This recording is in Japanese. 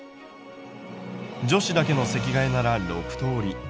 女子だけの席替えなら６通り。